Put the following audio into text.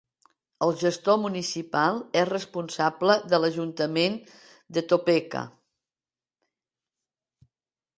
El gestor municipal és responsable de l"ajuntament de Topeka.